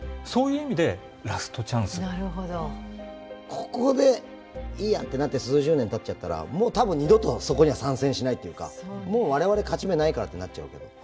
ここでいいやってなって数十年たっちゃったらもう多分二度とそこには参戦しないっていうかもう我々勝ち目ないからってなっちゃうけど。